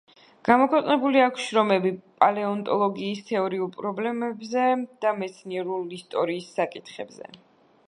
გამოქვეყნებული აქვს შრომები პალეონტოლოგიის თეორიულ პრობლემებზე და მეცნიერულ ისტორიის საკითხებზე.